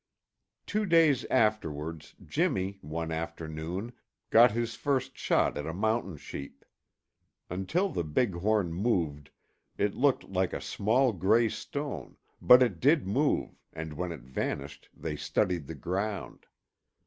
Two days afterwards Jimmy, one afternoon, got his first shot at a mountain sheep. Until the big horn moved, it looked like a small gray stone, but it did move and when it vanished they studied the ground.